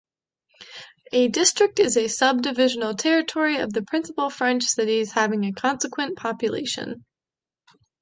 A district is a sub-divisional territory of the principal French cities having an consequent population.